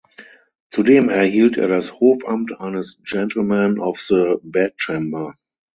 Zudem erhielt er das Hofamt eines Gentleman of the Bedchamber.